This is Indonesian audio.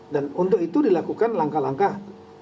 dan untuk itu dilakukan langkah langkah